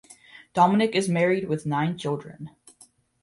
Dominic is married with nine children.